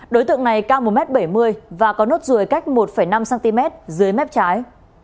đối tượng này cao một m bảy mươi và có nốt ruồi cách một năm cm dưới mép trái